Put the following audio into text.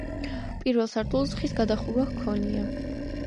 პირველ სართულს ხის გადახურვა ჰქონია.